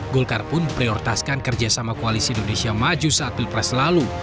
golkar pun prioritaskan kerjasama koalisi indonesia maju saat pilpres lalu